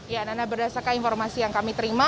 ya nana berdasarkan informasi yang kami terima